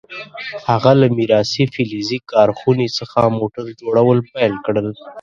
هغه له میراثي فلزي کارخونې څخه موټر جوړول پیل کړل.